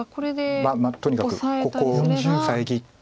まあとにかくここを遮って。